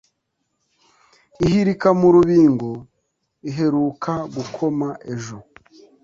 ihirika mu rubingo iheruka gukoma ejo